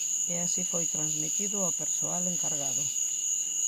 E así foi transmitido ao persoal encargado.